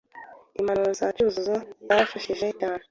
Impanuro za Cyuzuzo zarafashije cyane.